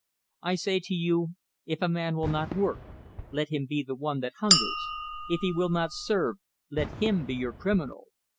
I say to you: If a man will not work, let him be the one that hungers; if he will not serve, let him be your criminal.